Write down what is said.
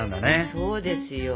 そうですよ。